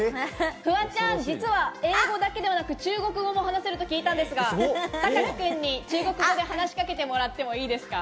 フワちゃん、実は英語だけではなく中国語も話せると聞いたんですが、たかき君に中国語で話し掛けてもらってもいいですか？